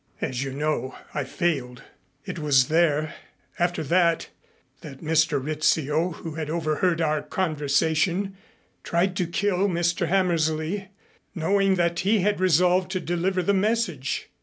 As you know I failed. It was there after that that Mr. Rizzio, who had overheard our conversation, tried to kill Mr. Hammersley, knowing that he had resolved to deliver the message."